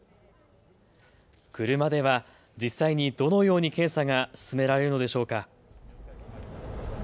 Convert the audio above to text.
車の中では実際にどのように検査が進められるのでしょうか。